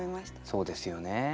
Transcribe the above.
そうですよね。